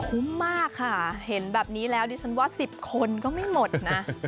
คุ้มมากค่ะเห็นแบบนี้แล้วดิฉันว่า๑๐คนก็ไม่หมดนะ